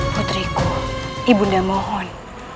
putriku ibu nda mohon